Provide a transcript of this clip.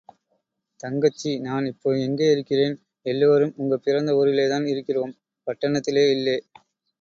தங்கச்சி, நான் இப்போ எங்கே இருக்கிறேன்? எல்லாரும் உங்க பிறந்த ஊரிலேதான் இருக்கிறோம்– பட்டணத்திலே இல்லே!